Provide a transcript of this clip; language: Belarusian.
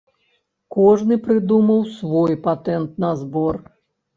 Кожны прыдумаў свой патэнт на збор.